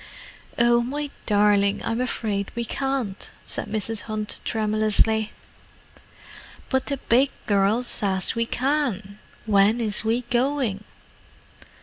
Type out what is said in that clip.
"Oh, my darling, I'm afraid we can't," said Mrs. Hunt tremulously. "But the big girl says we can. When is we going?"